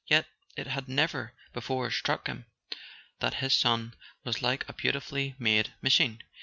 Yet it had never before struck him that his son was like a beautifully made machine.